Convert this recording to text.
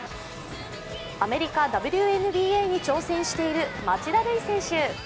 アメリカＷＮＢＡに挑戦している町田瑠唯選手。